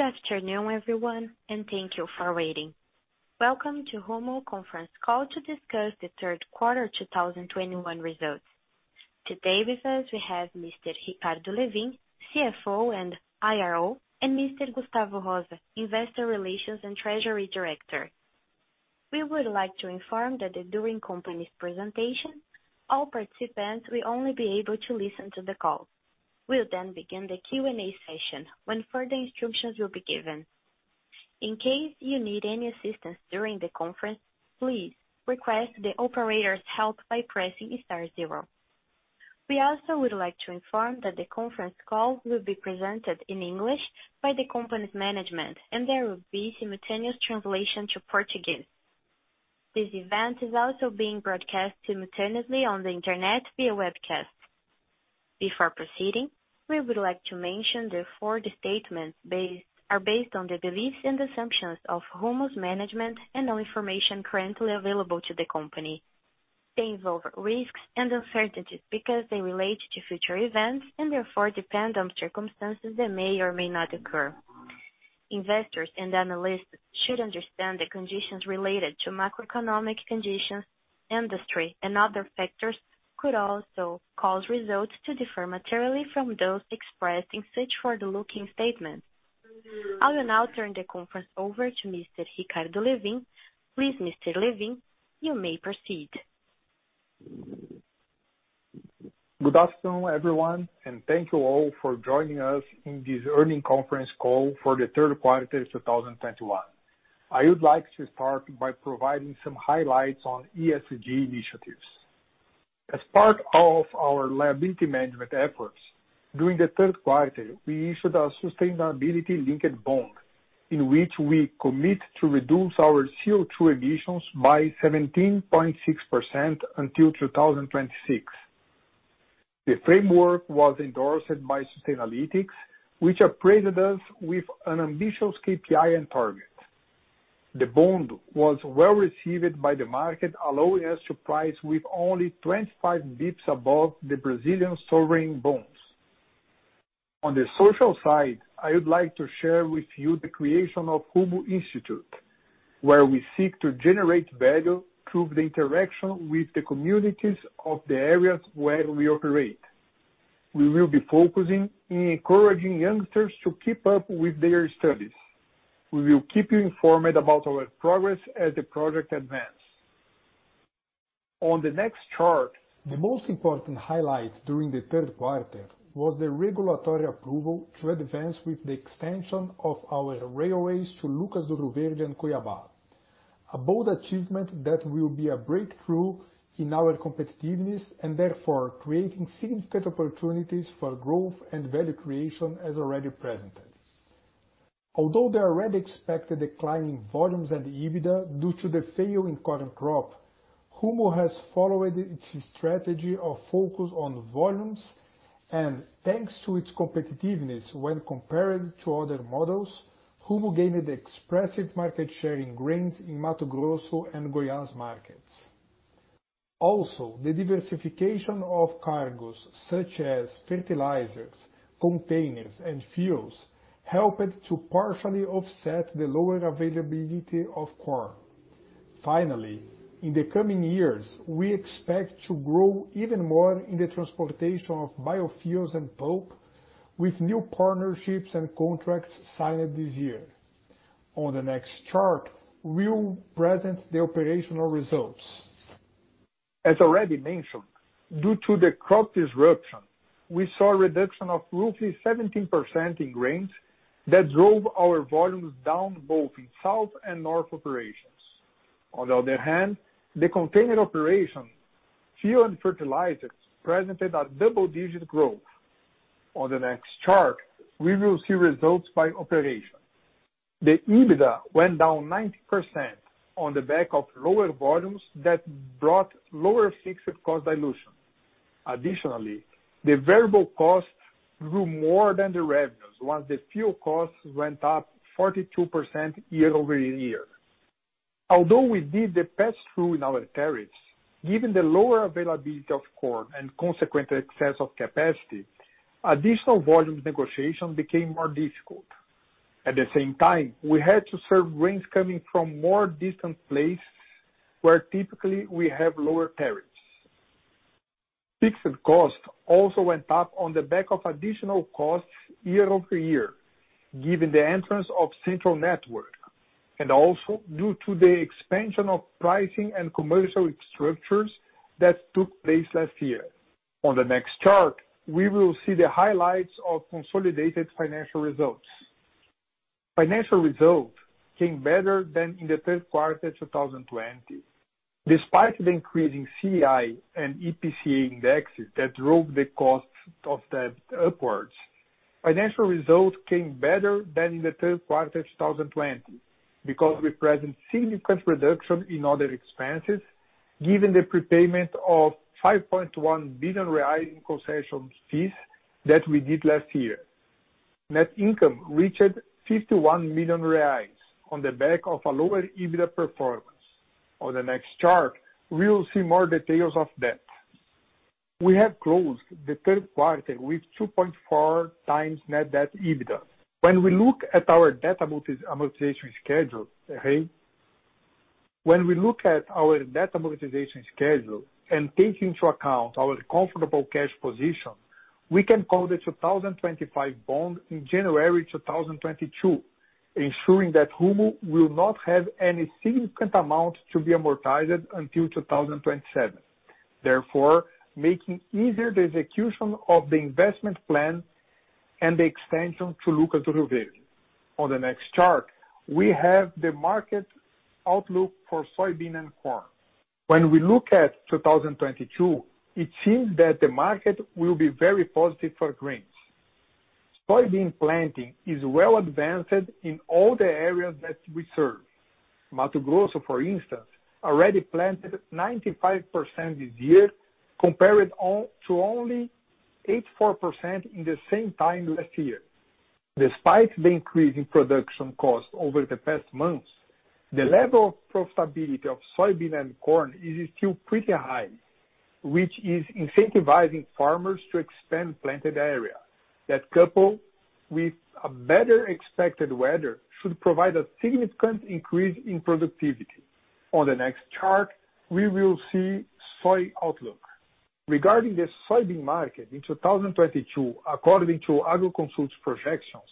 Good afternoon, everyone, and thank you for waiting. Welcome to Rumo conference call to discuss the third quarter 2021 results. Today with us we have Mr. Ricardo Lewin, CFO and IRO, and Mr. Gustavo da Rosa, Investor Relations and Treasury Director. We would like to inform that during company's presentation, all participants will only be able to listen to the call. We'll then begin the Q&A session when further instructions will be given. In case you need any assistance during the conference, please request the operator's help by pressing star zero. We also would like to inform that the conference call will be presented in English by the company's management, and there will be simultaneous translation to Portuguese. This event is also being broadcast simultaneously on the internet via webcast. Before proceeding, we would like to mention the forward-looking statements are based on the beliefs and assumptions of Rumo's management and on information currently available to the company. They involve risks and uncertainties because they relate to future events and therefore depend on circumstances that may or may not occur. Investors and analysts should understand that conditions related to macroeconomic conditions, industry, and other factors could also cause results to differ materially from those expressed in such forward-looking statements. I will now turn the conference over to Mr. Ricardo Lewin. Please, Mr. Lewin, you may proceed. Good afternoon, everyone, and thank you all for joining us in this earnings conference call for the third quarter of 2021. I would like to start by providing some highlights on ESG initiatives. As part of our liability management efforts, during the third quarter we issued a sustainability-linked bond, in which we commit to reduce our CO2 emissions by 17.6% until 2026. The framework was endorsed by Sustainalytics, which appraised us with an ambitious KPI and target. The bond was well-received by the market, allowing us to price with only 25 basis points above the Brazilian sovereign bonds. On the social side, I would like to share with you the creation of Rumo Institute, where we seek to generate value through the interaction with the communities of the areas where we operate. We will be focusing on encouraging youngsters to keep up with their studies. We will keep you informed about our progress as the project advances. On the next chart, the most important highlight during the third quarter was the regulatory approval to advance with the extension of our railways to Lucas do Rio Verde and Cuiabá. A bold achievement that will be a breakthrough in our competitiveness and therefore creating significant opportunities for growth and value creation as already presented. Although the already expected decline in volumes and EBITDA due to the failure in corn crop, Rumo has followed its strategy of focus on volumes, and thanks to its competitiveness when compared to other models, Rumo gained expressive market share in grains in Mato Grosso and Goiás markets. Also, the diversification of cargoes such as fertilizers, containers, and fuels helped to partially offset the lower availability of corn. Finally, in the coming years, we expect to grow even more in the transportation of biofuels and pulp with new partnerships and contracts signed this year. On the next chart, we'll present the operational results. As already mentioned, due to the crop disruption, we saw a reduction of roughly 17% in grains that drove our volumes down both in south and north operations. On the other hand, the container operations, fuel and fertilizers, presented a double-digit growth. On the next chart, we will see results by operation. The EBITDA went down 90% on the back of lower volumes that brought lower fixed cost dilution. Additionally, the variable costs grew more than the revenues, while the fuel costs went up 42% year-over-year. Although we did the pass-through in our tariffs, given the lower availability of corn and consequent excess of capacity, additional volumes negotiation became more difficult. At the same time, we had to serve grains coming from more distant places where typically we have lower tariffs. Fixed costs also went up on the back of additional costs year-over-year, given the entrance of Central Network and also due to the expansion of pricing and commercial structures that took place last year. On the next chart, we will see the highlights of consolidated financial results. Financial results came better than in the third quarter 2020. Despite the increase in CDI and IPCA indexes that drove the costs of debt upwards, financial results came better than in the third quarter 2020 because we present significant reduction in other expenses given the prepayment of 5.1 billion reais in concession fees that we did last year. Net income reached 51 million reais on the back of a lower EBITDA performance. On the next chart, we will see more details of that. We have closed the third quarter with 2.4x net debt EBITDA. When we look at our debt amortization schedule, hey. When we look at our debt amortization schedule and take into account our comfortable cash position, we can call the 2025 bond in January 2022, ensuring that Rumo will not have any significant amount to be amortized until 2027, therefore making easier the execution of the investment plan and the expansion to Lucas do Rio Verde. On the next chart, we have the market outlook for soybean and corn. When we look at 2022, it seems that the market will be very positive for grains. Soybean planting is well advanced in all the areas that we serve. Mato Grosso, for instance, already planted 95% this year, compared to only 84% in the same time last year. Despite the increase in production costs over the past months, the level of profitability of soybean and corn is still pretty high, which is incentivizing farmers to expand planted area, that coupled with a better expected weather, should provide a significant increase in productivity. On the next chart, we will see soy outlook. Regarding the soybean market in 2022, according to Agroconsult's projections,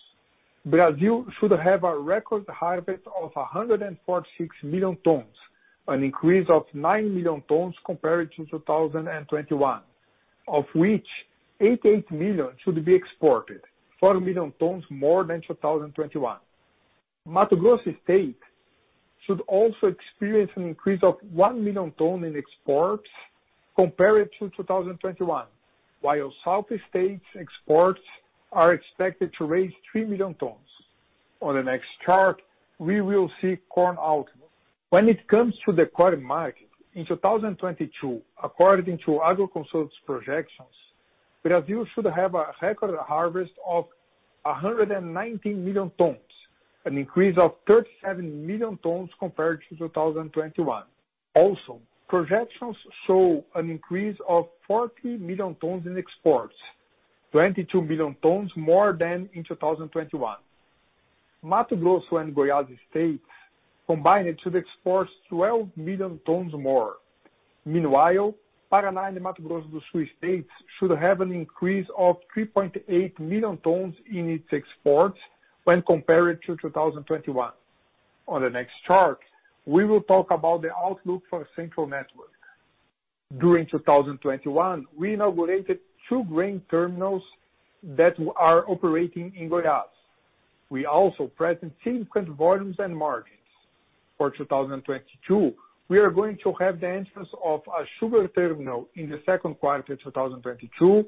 Brazil should have a record harvest of 146 million tons, an increase of 9 million tons compared to 2021, of which 88 million tons should be exported, 4 million tons more than 2021. Mato Grosso state should also experience an increase of 1 million tons in exports compared to 2021, while south states exports are expected to rise 3 million tons. On the next chart, we will see corn outlook. When it comes to the corn market, in 2022, according to Agroconsult's projections, Brazil should have a record harvest of 119 million tons, an increase of 37 million tons compared to 2021. Projections show an increase of 40 million tons in exports, 22 million tons more than in 2021. Mato Grosso and Goiás states combined should export 12 million tons more. Meanwhile, Paraná and Mato Grosso do Sul states should have an increase of 3.8 million tons in its exports when compared to 2021. On the next chart, we will talk about the outlook for Central Network. During 2021, we inaugurated two grain terminals that are operating in Goiás. We also present significant volumes and margins. For 2022, we are going to have the entrance of a sugar terminal in the second quarter of 2022,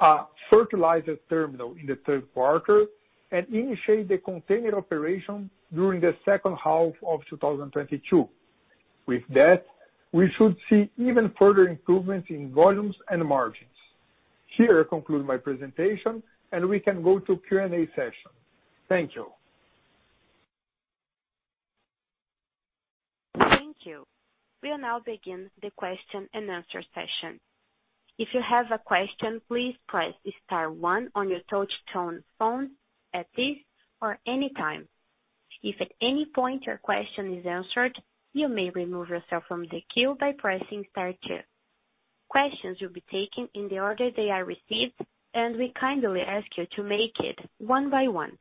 a fertilizer terminal in the third quarter, and initiate the container operation during the second half of 2022. With that, we should see even further improvements in volumes and margins. Here, I conclude my presentation, and we can go to Q&A session. Thank you. Thank you. We'll now begin the question and answer session. If you have a question, please press star one on your touch tone phone at this or any time. If at any point your question is answered, you may remove yourself from the queue by pressing star two. Questions will be taken in the order they are received, and we kindly ask you to make it one by one.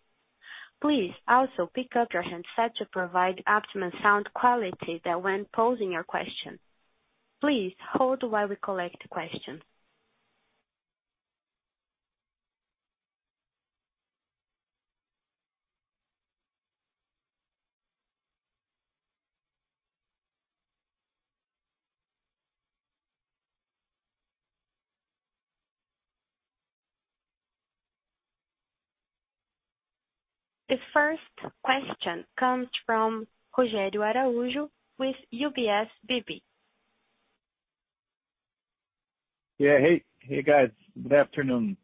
Please also pick up your handset to provide optimum sound quality so that when posing your question. Please hold while we collect questions. The first question comes from Rogerio Araujo with UBS BB. Yeah. Hey, guys. Good afternoon.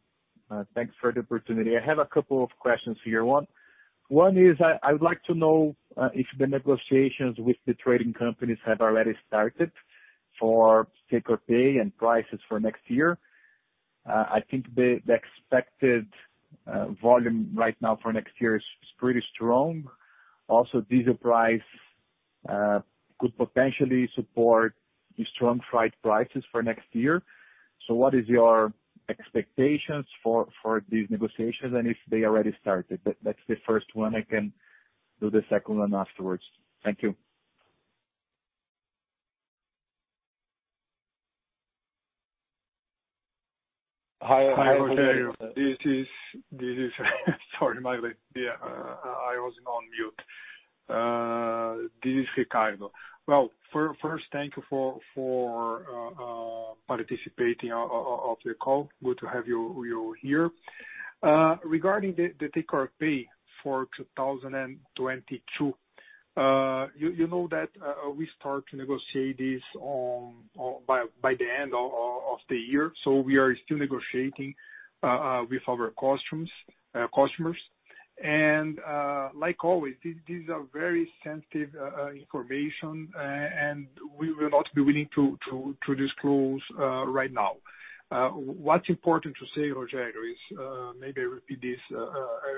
Thanks for the opportunity. I have a couple of questions for you. One is I would like to know if the negotiations with the trading companies have already started for take-or-pay and prices for next year. I think the expected volume right now for next year is pretty strong. Also, diesel price could potentially support the strong freight prices for next year. What is your expectations for these negotiations and if they already started? That's the first one. I can do the second one afterwards. Thank you. Hi, Rogerio. This is Ricardo. Sorry, I'm late. Yeah, I was on mute. Well, first thank you for participating in the call. Good to have you here. Regarding the take-or-pay for 2022, you know that we start to negotiate this by the end of the year, so we are still negotiating with our customers. Like always, these are very sensitive information, and we will not be willing to disclose right now. What's important to say, Rogerio, is maybe I repeat this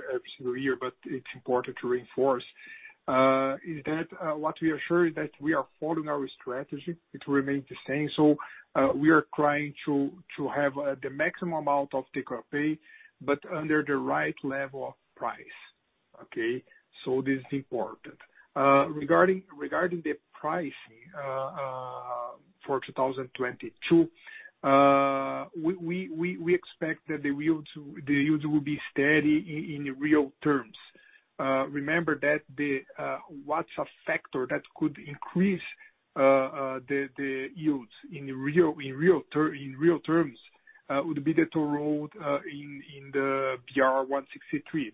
every single year, but it's important to reinforce is that what we are sure is that we are following our strategy. It remains the same. We are trying to have the maximum amount of takeaway, but under the right level of price, okay? This is important. Regarding the pricing for 2022, we expect that the yields will be steady in real terms. Remember that what's a factor that could increase the yields in real terms would be the toll road in the BR-163.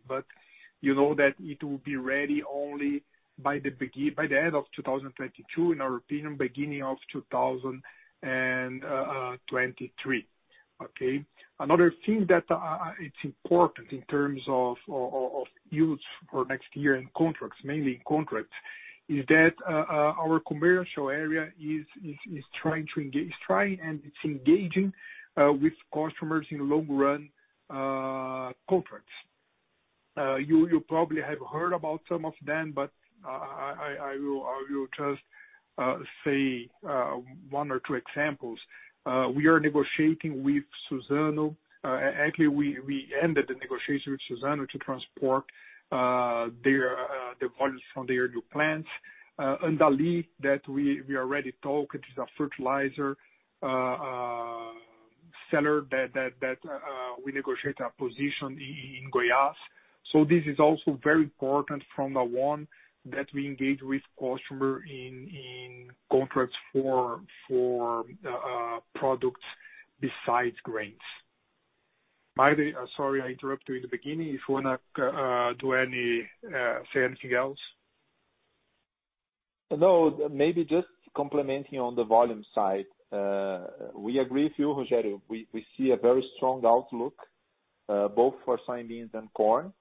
You know that it will be ready only by the end of 2022, in our opinion, beginning of 2023, okay? Another thing that it's important in terms of of yields for next year and contracts, mainly contracts, is that our commercial area is trying and it's engaging with customers in long run contracts. You probably have heard about some of them, but I will just say one or two examples. We are negotiating with Suzano. Actually, we ended the negotiation with Suzano to transport their the volumes from their new plants. Andali that we already talked, it is a fertilizer seller that we negotiate our position in Goiás. This is also very important from the one that we engage with customer in contracts for products besides grains. Marder, sorry I interrupted you in the beginning, if you wanna say anything else. No, maybe just complementing on the volume side. We agree with you, Rogerio. We see a very strong outlook both for soybeans and corn.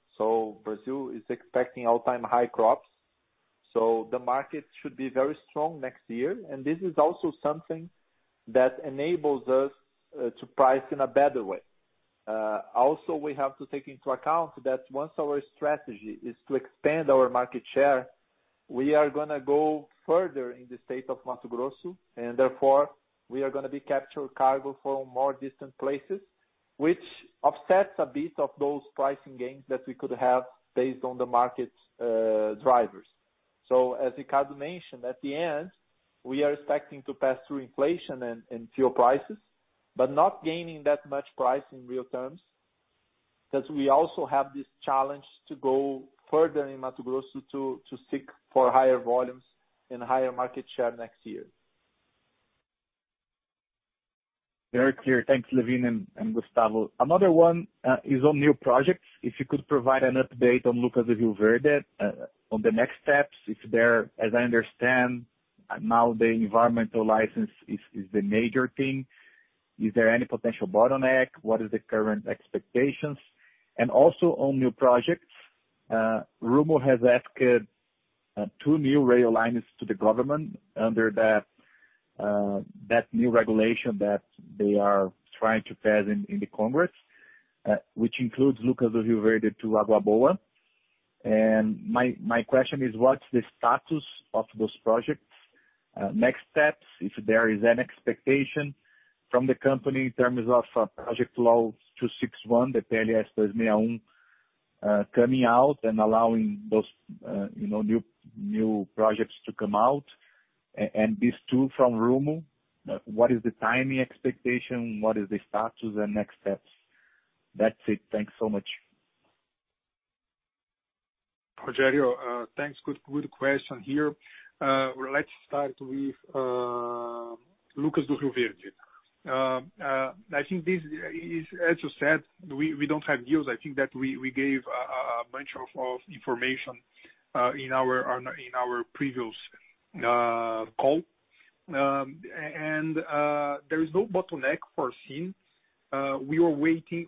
Brazil is expecting all-time high crops, so the market should be very strong next year. This is also something that enables us to price in a better way. Also, we have to take into account that once our strategy is to expand our market share, we are gonna go further in the state of Mato Grosso, and therefore, we are gonna be capturing cargo from more distant places, which offsets a bit of those pricing gains that we could have based on the market drivers. As Ricardo mentioned, at the end, we are expecting to pass through inflation and fuel prices, but not gaining that much price in real terms, because we also have this challenge to go further in Mato Grosso to seek for higher volumes and higher market share next year. Very clear. Thanks, Lewin and Gustavo. Another one is on new projects. If you could provide an update on Lucas do Rio Verde on the next steps, if there, as I understand now the environmental license is the major thing. Is there any potential bottleneck? What is the current expectations? Also on new projects, Rumo has asked two new rail lines to the government under that new regulation that they are trying to pass in the Congress, which includes Lucas do Rio Verde to Água Boa. My question is what's the status of those projects? Next steps, if there is an expectation from the company in terms of PLS 261 coming out and allowing those, you know, new projects to come out. These two from Rumo, what is the timing expectation? What is the status and next steps? That's it. Thanks so much. Rogerio, thanks. Good question here. Let's start with Lucas do Rio Verde. I think this is, as you said, we don't have yields. I think that we gave a bunch of information in our previous call. There is no bottleneck foreseen. We are waiting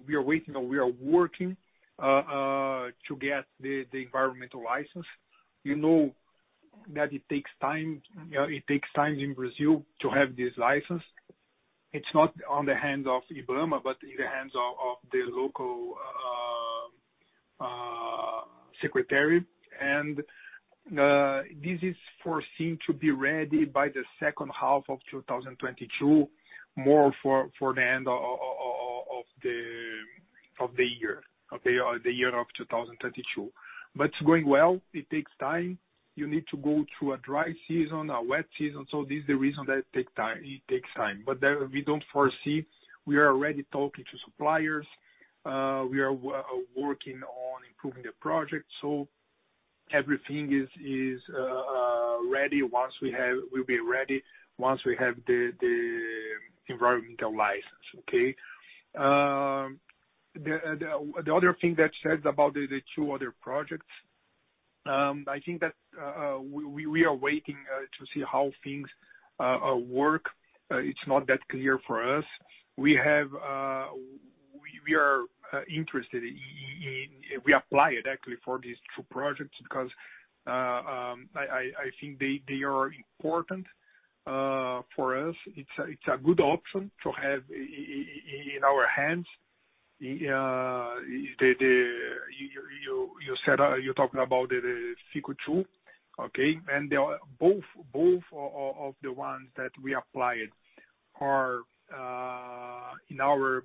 or we are working to get the environmental license. You know that it takes time in Brazil to have this license. It's not in the hands of IBAMA, but in the hands of the local secretary. This is foreseen to be ready by the second half of 2022, more for the end of the year, okay? The year of 2022. It's going well. It takes time. You need to go through a dry season, a wet season. This is the reason that it takes time, it takes time. We don't foresee. We are already talking to suppliers. We are working on improving the project, so everything will be ready once we have the environmental license, okay? The other thing that we said about the two other projects. I think that we are waiting to see how things work. It's not that clear for us. We applied actually for these two projects because I think they are important for us. It's a good option to have in our hands. You said you're talking about the Q2, okay? They are both of the ones that we applied are in our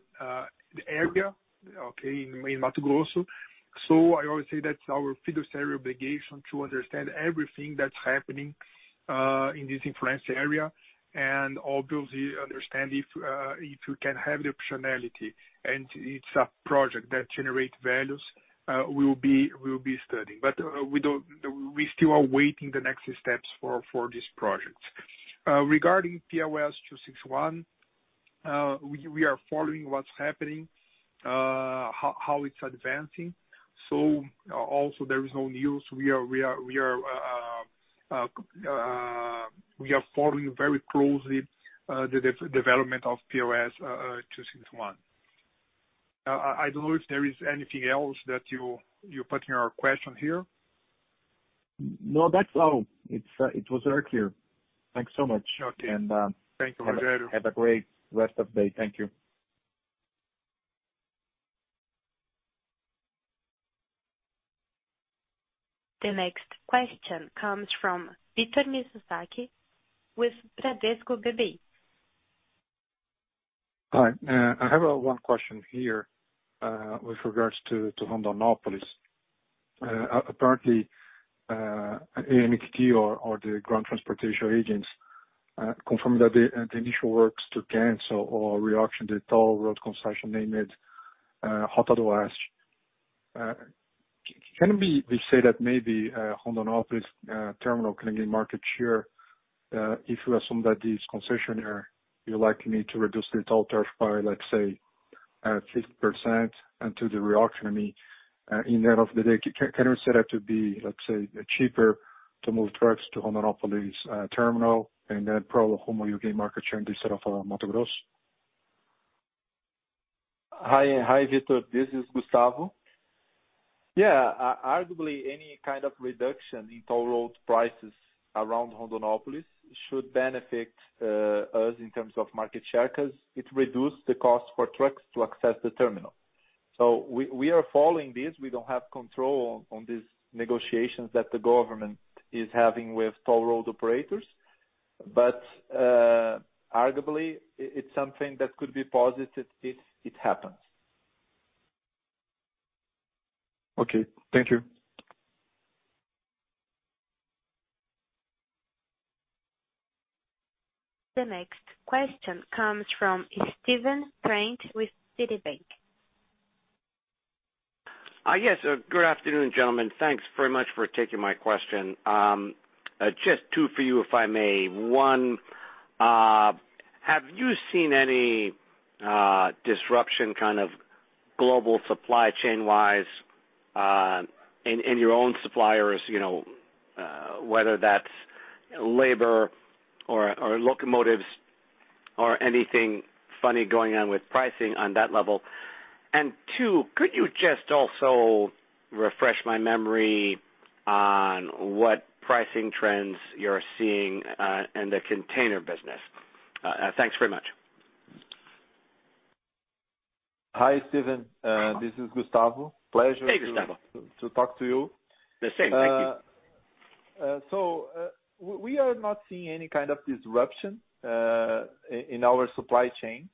area, okay, in Mato Grosso. I always say that's our fiduciary obligation to understand everything that's happening in this influenced area. Obviously understand if you can have the optionality, and it's a project that generates values, we'll be studying. We still are waiting for the next steps for these projects. Regarding PLS 261, we are following what's happening, how it's advancing. Also there is no news. We are following very closely the development of PLS 261. I don't know if there is anything else that you put in your question here. No, that's all. It was very clear. Thanks so much. Okay. And, um- Thank you, Rogerio. Have a great rest of the day. Thank you. The next question comes from Victor Mizusaki with Bradesco BBI. Hi. I have one question here with regards to Rondonópolis. Apparently, ANTT or the land transportation agency confirmed that the initial works to cancel or reauction the toll road concession, Rota do Oeste. Can we say that maybe Rondonópolis terminal can gain market share if you assume that this concessionaire will likely need to reduce the toll tariff by, let's say, 50% until the reauction? I mean, at the end of the day, can we say that to be cheaper to move trucks to Rondonópolis terminal and then probably how much you gain market share instead of Mato Grosso? Hi, Victor. This is Gustavo. Yeah. Arguably, any kind of reduction in toll road prices around Rondonópolis should benefit us in terms of market share, 'cause it reduces the cost for trucks to access the terminal. We are following this. We don't have control on these negotiations that the government is having with toll road operators. Arguably, it's something that could be positive if it happens. Okay. Thank you. The next question comes from Stephen Trent with Citibank. Yes. Good afternoon, gentlemen. Thanks very much for taking my question. Just two for you, if I may. One, have you seen any disruption kind of global supply chain-wise in your own suppliers, you know, whether that's labor or locomotives or anything funny going on with pricing on that level? Two, could you just also refresh my memory on what pricing trends you're seeing in the container business? Thanks very much. Hi, Stephen. This is Gustavo. Pleasure- Hey, Gustavo. To talk to you. The same. Thank you. We are not seeing any kind of disruption in our supply chain.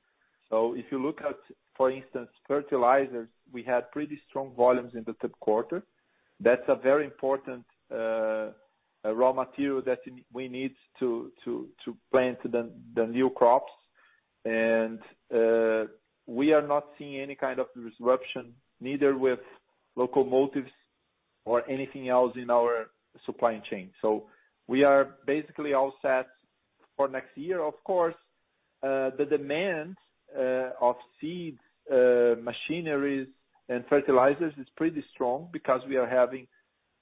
If you look at, for instance, fertilizers, we had pretty strong volumes in the third quarter. That's a very important raw material that we need to plant the new crops. We are not seeing any kind of disruption, neither with locomotives or anything else in our supply chain. We are basically all set for next year. Of course, the demand of seeds, machinery and fertilizers is pretty strong because we are having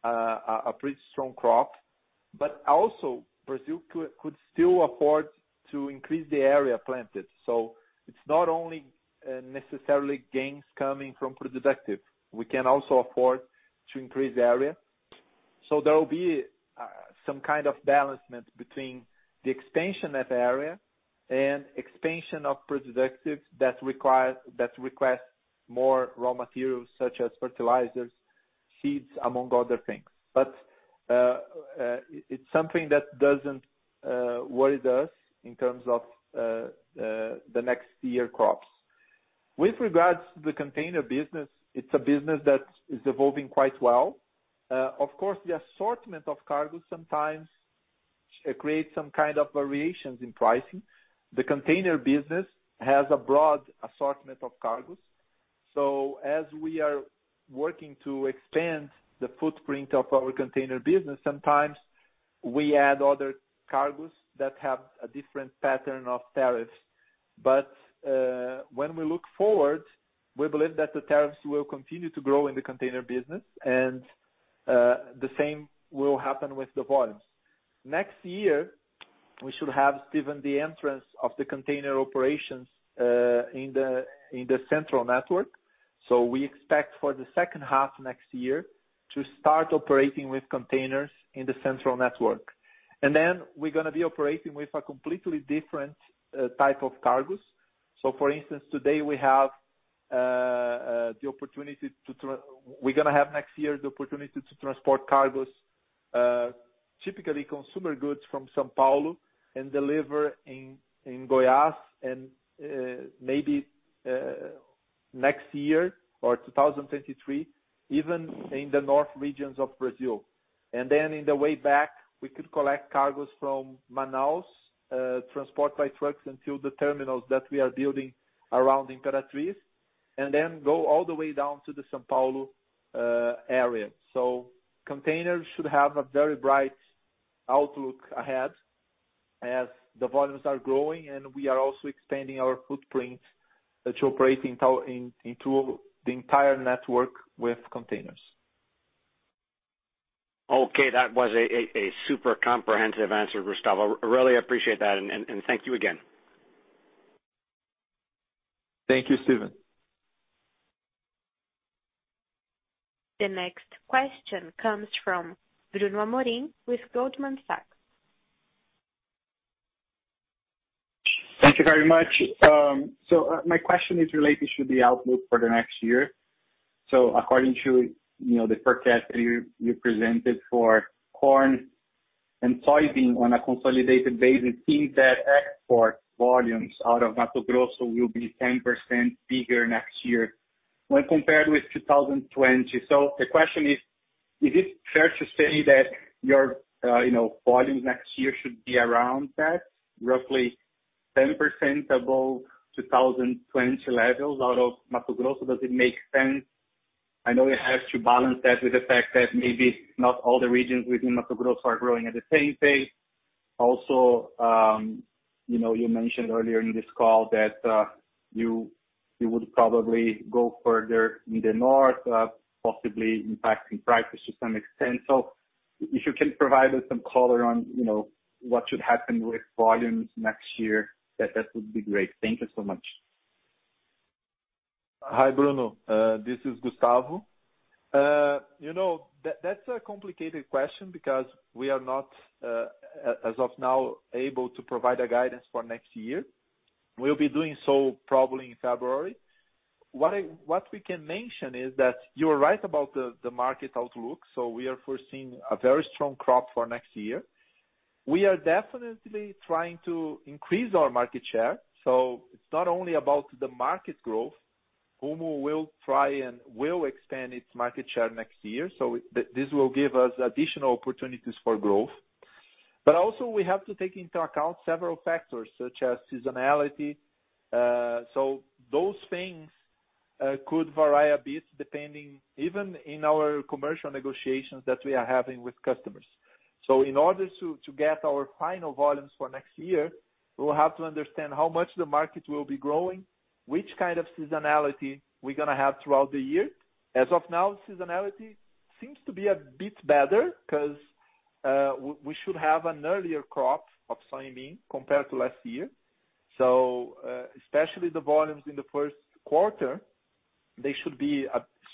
a pretty strong crop. Also Brazil could still afford to increase the area planted. It's not only necessarily gains coming from productivity. We can also afford to increase the area. There will be some kind of balance between the expansion of area and expansion of productivity that requires more raw materials such as fertilizers, seeds, among other things. It's something that doesn't worry us in terms of the next year crops. With regards to the container business, it's a business that is evolving quite well. Of course, the assortment of cargo sometimes creates some kind of variations in pricing. The container business has a broad assortment of cargos. As we are working to expand the footprint of our container business, sometimes we add other cargos that have a different pattern of tariffs. When we look forward, we believe that the tariffs will continue to grow in the container business and the same will happen with the volumes. Next year, we should have, Stephen, the entrance of the container operations in the Central Network. We expect for the second half next year to start operating with containers in the Central Network. Then we're gonna be operating with a completely different type of cargos. For instance, today we have the opportunity to transport cargos, typically consumer goods from São Paulo and deliver in Goiás and maybe next year or 2023, even in the north regions of Brazil. On the way back, we could collect cargo from Manaus, transport by trucks into the terminals that we are building around Anápolis, and then go all the way down to the São Paulo area. Containers should have a very bright outlook ahead as the volumes are growing, and we are also expanding our footprint to operate into the entire network with containers. Okay. That was a super comprehensive answer, Gustavo. Really appreciate that and thank you again. Thank you, Stephen. The next question comes from Bruno Amorim with Goldman Sachs. Thank you very much. My question is related to the outlook for the next year. According to, you know, the forecast you presented for corn and soybean on a consolidated basis, it seems that export volumes out of Mato Grosso will be 10% bigger next year when compared with 2020. The question is. Is it fair to say that your, you know, volumes next year should be around that, roughly 10% above 2020 levels out of Mato Grosso? Does it make sense? I know it has to balance that with the fact that maybe not all the regions within Mato Grosso are growing at the same pace. Also, you know, you mentioned earlier in this call that you would probably go further in the north, possibly impacting prices to some extent. If you can provide us some color on, you know, what should happen with volumes next year, that would be great. Thank you so much. Hi, Bruno. This is Gustavo. You know, that's a complicated question because we are not, as of now able to provide a guidance for next year. We'll be doing so probably in February. What we can mention is that you're right about the market outlook, so we are foreseeing a very strong crop for next year. We are definitely trying to increase our market share, so it's not only about the market growth. Rumo will try and will expand its market share next year. This will give us additional opportunities for growth. Also we have to take into account several factors such as seasonality. Those things could vary a bit depending even on our commercial negotiations that we are having with customers. In order to get our final volumes for next year, we will have to understand how much the market will be growing, which kind of seasonality we're gonna have throughout the year. As of now, seasonality seems to be a bit better because we should have an earlier crop of soybean compared to last year. Especially the volumes in the first quarter, they should be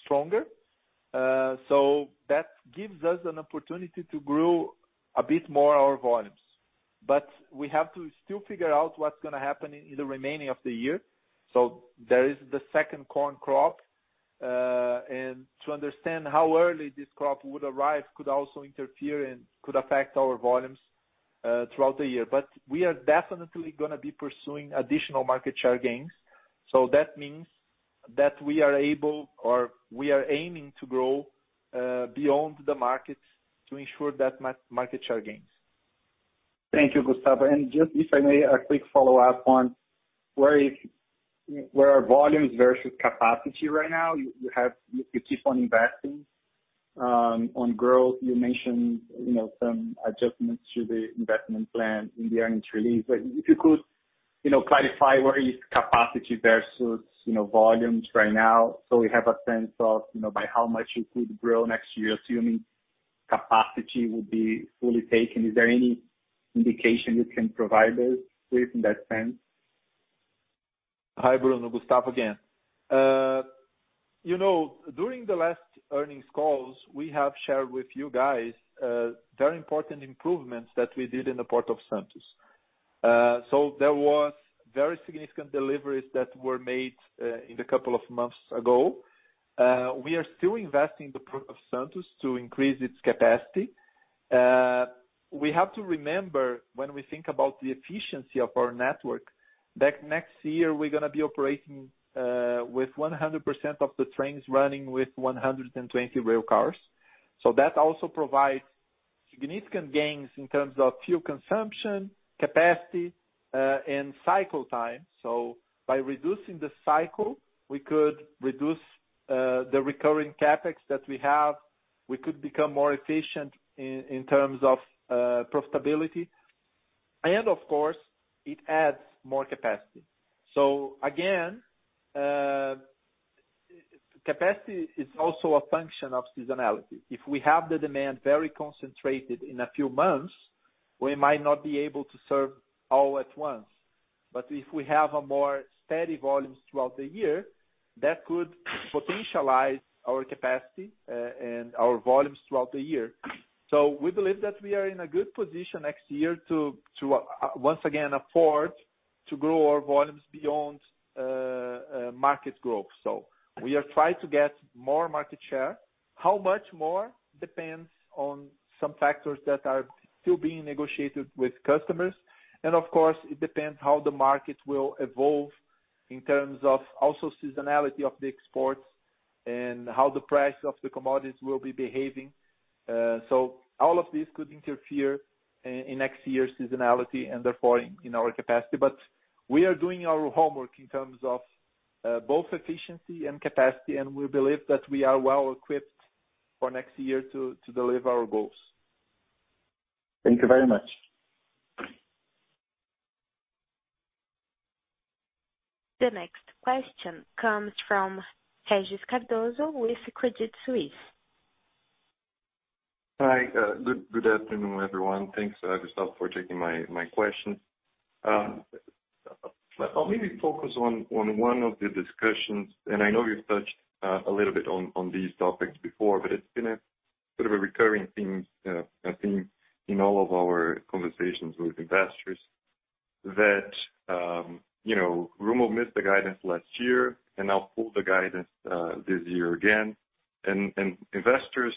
stronger. That gives us an opportunity to grow a bit more our volumes. We have to still figure out what's gonna happen in the remainder of the year. There is the second corn crop, and to understand how early this crop would arrive could also interfere and could affect our volumes throughout the year. We are definitely gonna be pursuing additional market share gains. That means that we are able or we are aiming to grow beyond the market to ensure that market share gains. Thank you, Gustavo. Just if I may, a quick follow-up on where are volumes versus capacity right now. You keep on investing on growth. You mentioned, you know, some adjustments to the investment plan in the earnings release. If you could, you know, clarify where is capacity versus, you know, volumes right now, so we have a sense of, you know, by how much you could grow next year, assuming capacity will be fully taken. Is there any indication you can provide us with in that sense? Hi, Bruno. Gustavo again. You know, during the last earnings calls, we have shared with you guys very important improvements that we did in the Port of Santos. There was very significant deliveries that were made in the couple of months ago. We are still investing in the Port of Santos to increase its capacity. We have to remember when we think about the efficiency of our network, that next year we're gonna be operating with 100% of the trains running with 120 rail cars. That also provides significant gains in terms of fuel consumption, capacity, and cycle time. By reducing the cycle, we could reduce the recurring CapEx that we have. We could become more efficient in terms of profitability. Of course, it adds more capacity. Again, capacity is also a function of seasonality. If we have the demand very concentrated in a few months, we might not be able to serve all at once. If we have a more steady volumes throughout the year, that could potentialize our capacity and our volumes throughout the year. We believe that we are in a good position next year to once again afford to grow our volumes beyond market growth. We are trying to get more market share. How much more depends on some factors that are still being negotiated with customers. Of course, it depends how the market will evolve in terms of also seasonality of the exports and how the price of the commodities will be behaving. All of this could interfere in next year's seasonality and therefore in our capacity. We are doing our homework in terms of both efficiency and capacity, and we believe that we are well equipped for next year to deliver our goals. Thank you very much. The next question comes from Regis Cardoso with Credit Suisse. Hi. Good afternoon, everyone. Thanks, Gustavo, for taking my question. I'll maybe focus on one of the discussions, and I know you've touched a little bit on these topics before, but it's been a sort of a recurring theme, I think, in all of our conversations with investors that, you know, Rumo missed the guidance last year and now pulled the guidance this year again. Investors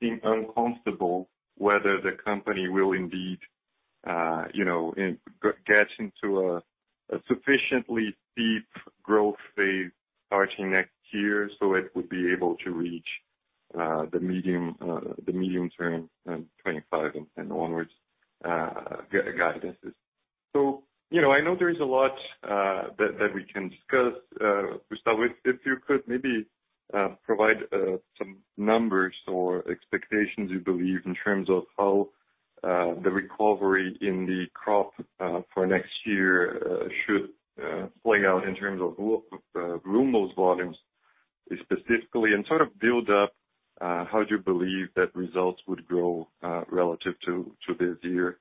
seem uncomfortable whether the company will indeed, you know, get into a sufficiently deep growth phase starting next year, so it would be able to reach the medium term 2025 and onwards guidance. You know, I know there is a lot that we can discuss, Gustavo. If you could maybe provide some numbers or expectations you believe in terms of how the recovery in the crop for next year should play out in terms of Rumo's volumes specifically, and sort of build up how you believe that results would grow relative to this year.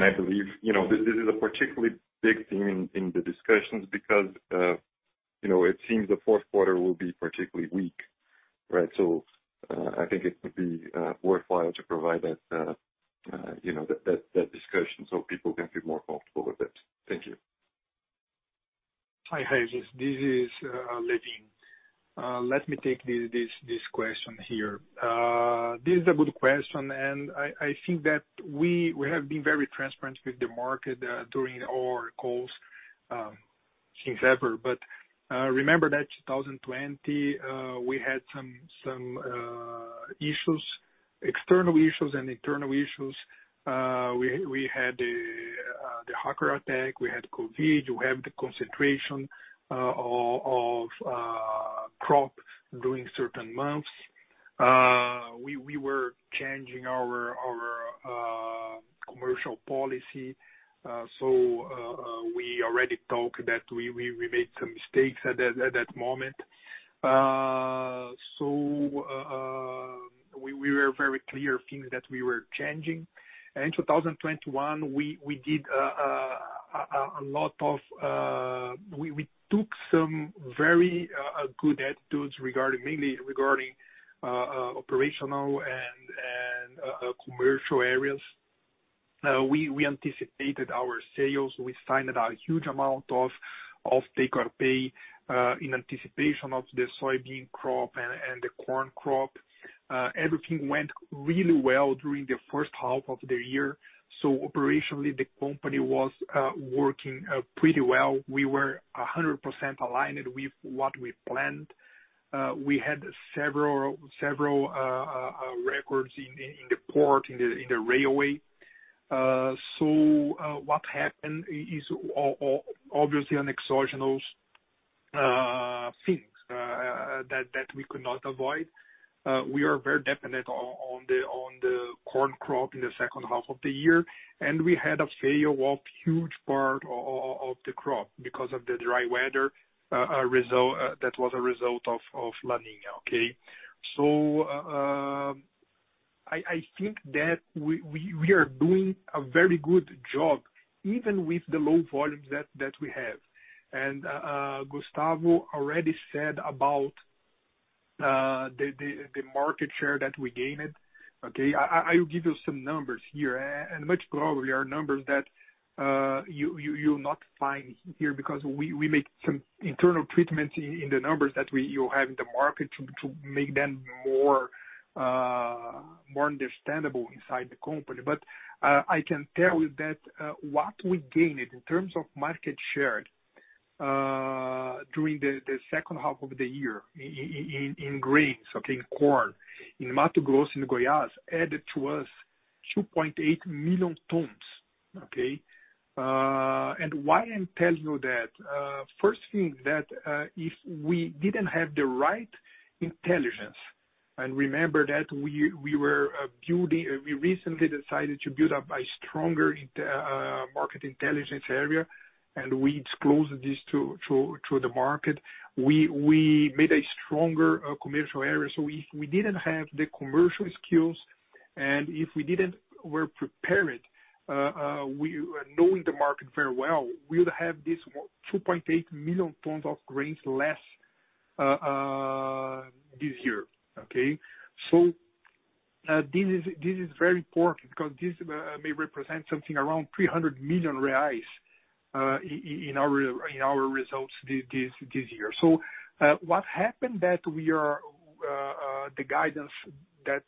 I believe, you know, this is a particularly big theme in the discussions because, you know, it seems the fourth quarter will be particularly weak, right? I think it would be worthwhile to provide that discussion so people can feel more comfortable with it. Thank you. Hi, Regis. This is Lewin. Let me take this question here. This is a good question, and I think that we have been very transparent with the market during our calls since ever. Remember that 2020 we had some issues, external issues and internal issues. We had the hacker attack, we had COVID, we have the concentration of crop during certain months. We were changing our commercial policy. We already talked that we made some mistakes at that moment. We were very clear things that we were changing. In 2021, we did a lot. We took some very good attitudes regarding mainly operational and commercial areas. We anticipated our sales. We signed a huge amount of take-or-pay in anticipation of the soybean crop and the corn crop. Everything went really well during the first half of the year. Operationally, the company was working pretty well. We were 100% aligned with what we planned. We had several records in the port, in the railway. What happened is obviously exogenous things that we could not avoid. We are very dependent on the corn crop in the second half of the year, and we had a failure of huge part of the crop because of the dry weather, a result that was a result of La Niña, okay? I think that we are doing a very good job, even with the low volumes that we have. Gustavo already said about the market share that we gained. Okay? I will give you some numbers here and the global numbers are numbers that you'll not find here because we make some internal treatments in the numbers that you have in the market to make them more understandable inside the company. I can tell you that what we gained in terms of market share during the second half of the year in grains, okay, in corn, in Mato Grosso and Goiás added to us 2.8 million tons, okay. Why I'm telling you that first thing that if we didn't have the right intelligence and remember that we recently decided to build up a stronger market intelligence area, and we disclosed this through the market. We made a stronger commercial area. If we didn't have the commercial skills, and if we weren't prepared, we knowing the market very well, we would have this 2.8 million tons of grains less this year, okay. This is very important because this may represent something around 300 million reais in our results this year. What happened that we missed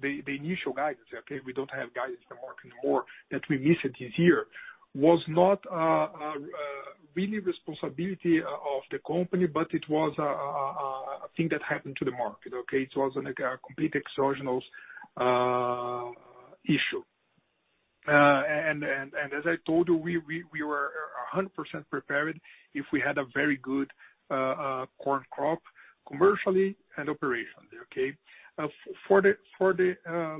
the initial guidance. Okay, we don't have guidance in the market anymore that we release this year was not really the responsibility of the company, but it was a thing that happened to the market. Okay, it was a complete exogenous issue. As I told you, we were 100% prepared if we had a very good corn crop commercially and operationally. For the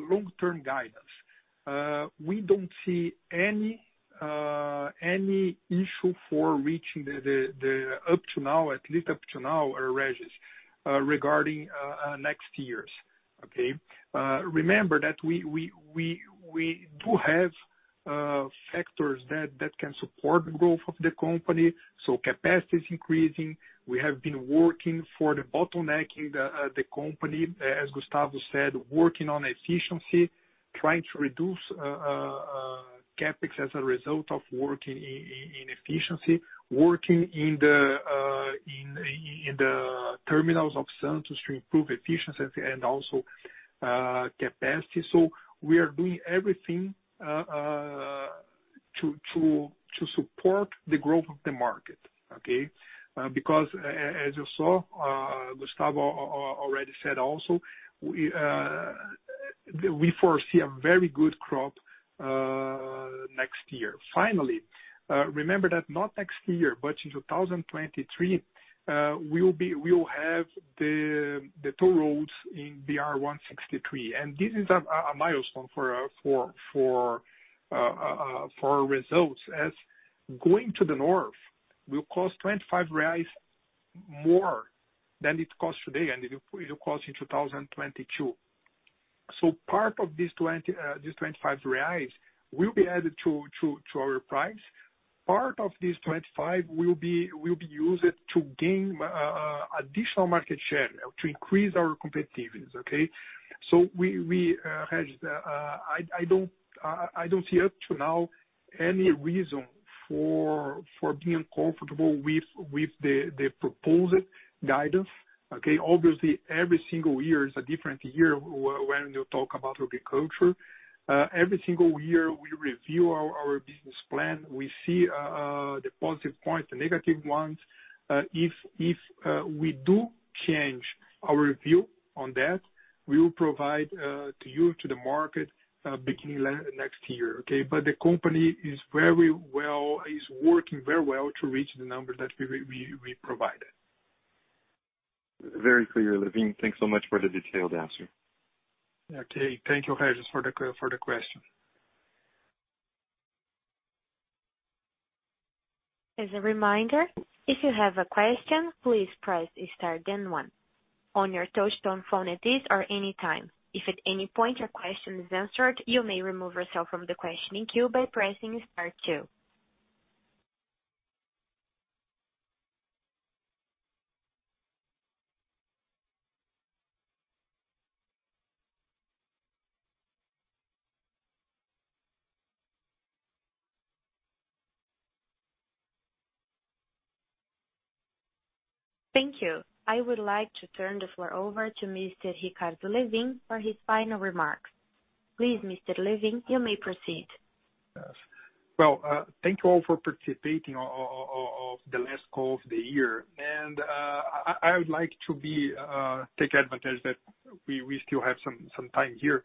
long-term guidance, we don't see any issue for reaching the up to now, at least up to now, Regis, regarding next years, okay? Remember that we do have factors that can support growth of the company, so capacity is increasing. We have been working for the bottleneck in the company, as Gustavo said, working on efficiency, trying to reduce CapEx as a result of working in efficiency, working in the terminals of Santos to improve efficiency and also capacity. We are doing everything to support the growth of the market, okay? Because as you saw, Gustavo already said also, we foresee a very good crop next year. Finally, remember that not next year, but in 2023, we will have the two roads in BR-163, and this is a milestone for our results as going to the north will cost 25 reais more than it costs today and it will cost in 2022. Part of these 25 reais will be added to our price. Part of these 25 will be used to gain additional market share to increase our competitiveness, okay? We, Regis, I don't see up to now any reason for being uncomfortable with the proposed guidance, okay? Obviously, every single year is a different year when you talk about agriculture. Every single year we review our business plan. We see the positive points, the negative ones. If we do change our view on that, we will provide to you, to the market, beginning next year, okay? The company is working very well to reach the numbers that we provided. Very clear, Lewin. Thanks so much for the detailed answer. Okay. Thank you, Regis, for the question. As a reminder, if you have a question, please press star then one on your touch-tone phone at this or any time. If at any point your question is answered, you may remove yourself from the questioning queue by pressing star two. Thank you. I would like to turn the floor over to Mr. Ricardo Lewin for his final remarks. Please, Mr. Lewin, you may proceed. Yes. Well, thank you all for participating in the last call of the year. I would like to take advantage that we still have some time here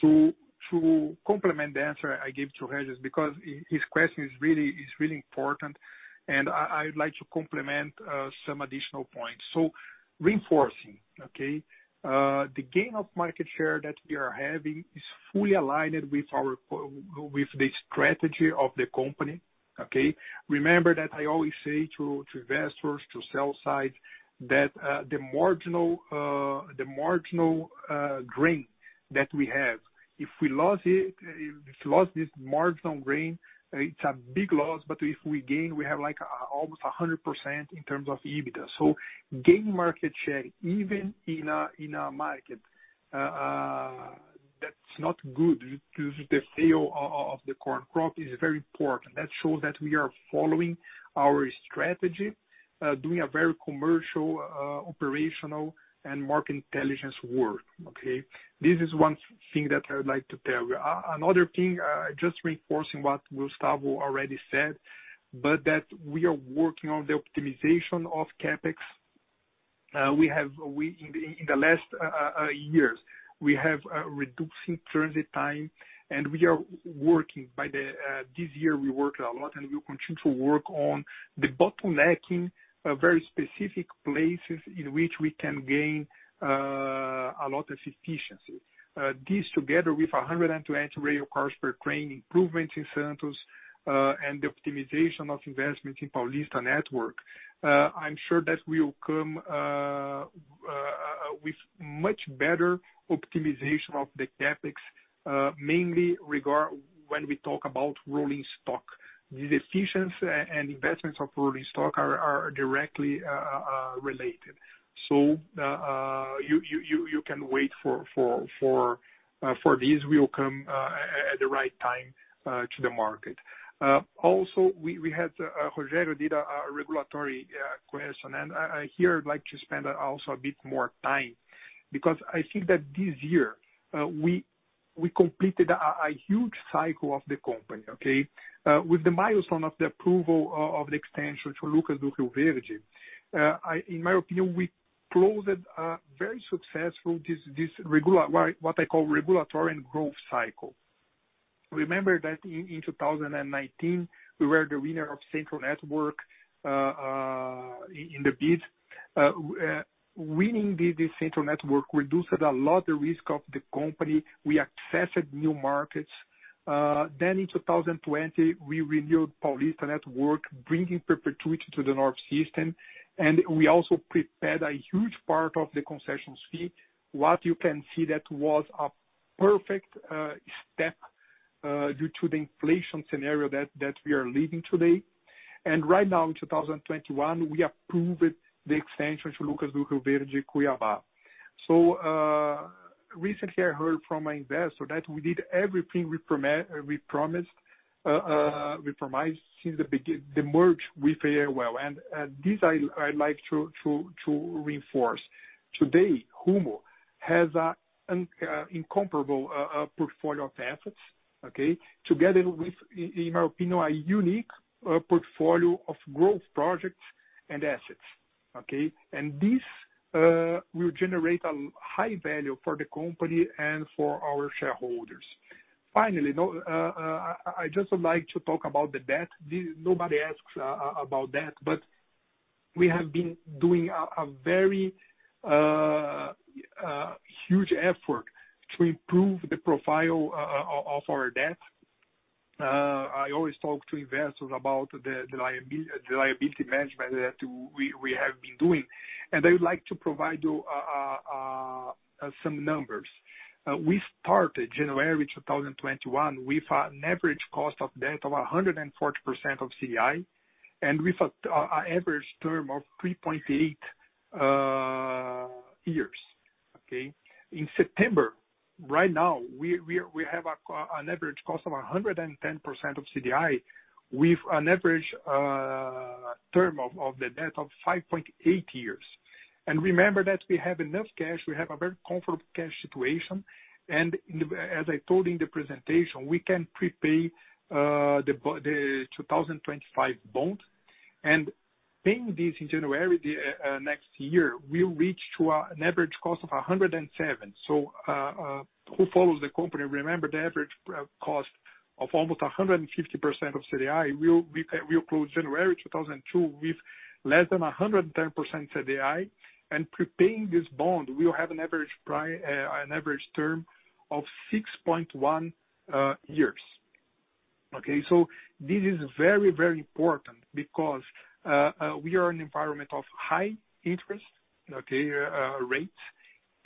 to complement the answer I gave to Regis because his question is really important and I'd like to complement some additional points. Reinforcing, okay, the gain of market share that we are having is fully aligned with the strategy of the company, okay? Remember that I always say to investors, to sell side, that the marginal grain that we have, if we lost this marginal grain, it's a big loss. But if we gain, we have like almost 100% in terms of EBITDA. Gain market share even in a market that's not good due to the failure of the corn crop is very important. That shows that we are following our strategy, doing a very commercial, operational and market intelligence work, okay? This is one thing that I would like to tell you. Another thing, just reinforcing what Gustavo already said, but that we are working on the optimization of CapEx. In the last years, we have reducing transit time, and we are working. By this year, we worked a lot, and we'll continue to work on the bottlenecking, very specific places in which we can gain a lot of efficiency. This together with 120 railcars per train improvements in Santos, and the optimization of investment in Paulista Network. I'm sure that will come with much better optimization of the CapEx, mainly regarding when we talk about rolling stock. The efficiency and investments of rolling stock are directly related. You can wait for this. We'll come at the right time to the market. Also, we had Rogerio's regulatory question. Here I'd like to spend also a bit more time because I think that this year we completed a huge cycle of the company, okay, with the milestone of the approval of the extension to Lucas do Rio Verde. In my opinion, we closed very successfully this regulatory and growth cycle. Remember that in 2019, we were the winner of Central Network in the bid. Winning the Central Network reduced a lot the risk of the company. We accessed new markets. In 2020, we renewed Paulista Network, bringing perpetuity to the North System. We also prepaid a huge part of the concession fee. What you can see that was a perfect step due to the inflation scenario that we are facing today. Right now in 2021, we approved the extension to Lucas do Rio Verde, Cuiabá. Recently I heard from my investor that we did everything we promised since the merger with ALL. This I'd like to reinforce. Today, Rumo has an incomparable portfolio of assets, okay? Together with, in my opinion, a unique portfolio of growth projects and assets, okay? This will generate a high value for the company and for our shareholders. Finally, I just would like to talk about the debt. Nobody asks about that, but we have been doing a very huge effort to improve the profile of our debt. I always talk to investors about the liability management that we have been doing. I would like to provide you some numbers. We started January 2021 with an average cost of debt of 140% of CDI and with an average term of 3.8 years, okay? In September, right now, we have an average cost of 110% of CDI with an average term of the debt of 5.8 years. Remember that we have enough cash, we have a very comfortable cash situation. As I told in the presentation, we can prepay the 2025 bond. Paying this in January next year, we will reach an average cost of 107%. Who follows the company remember the average cost of almost 150% of CDI. We will close January 2022 with less than 110% CDI. Prepaying this bond, we will have an average term of 6.1 years. Okay? This is very important because we are in an environment of high interest rates, okay,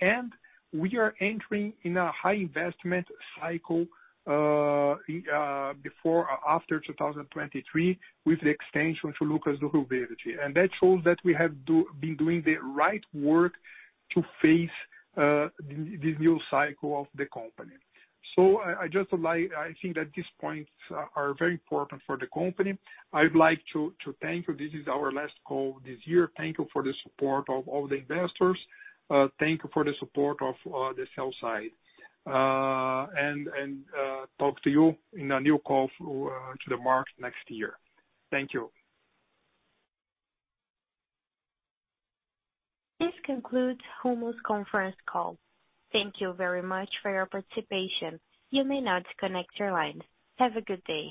and we are entering a high investment cycle before or after 2023 with the extension to Lucas do Rio Verde. That shows that we have been doing the right work to face this new cycle of the company. I think that these points are very important for the company. I'd like to thank you. This is our last call this year. Thank you for the support of all the investors. Thank you for the support of the sell side. Talk to you in a new call to the market next year. Thank you. This concludes Rumo's conference call. Thank you very much for your participation. You may now disconnect your line. Have a good day.